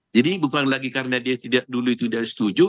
jadi bukan lagi karena dia tidak dulu itu dia setuju